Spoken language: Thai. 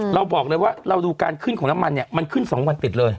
เราบอกเลยว่าเราดูการขึ้นของน้ำมันเนี่ยมันขึ้น๒วันติดเลย